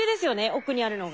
奥にあるのが。